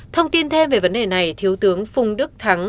thông tin thêm về vấn đề này thiếu tướng phung đức thắng